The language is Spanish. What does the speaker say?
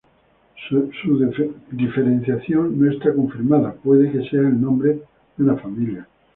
Su diferenciación no está confirmada; puede que sea el nombre de una familia.